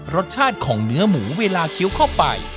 รสชาติของเนื้อหมูเวลาเคี้ยวเข้าไป